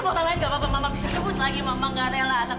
bu tadi omnya orang lain mama nggak ada yang maaf